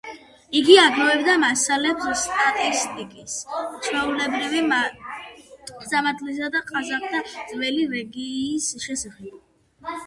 იგი აგროვებდა მასალებს სტატისტიკის, ჩვეულებრივი სამართლისა და ყაზახთა ძველი რელიგიის შესახებ.